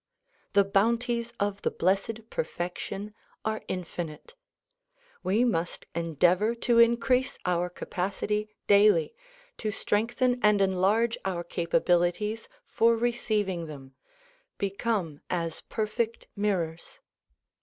The bounties of the Blessed Perfection are infinite. We must endeavor to increase our capacity daily, to strengthen and enlarge our capabilities for receiving them ; become as perfect mirrors.